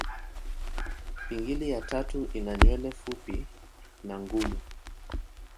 Pingili ya tatu ina nywele fupi na ngumu.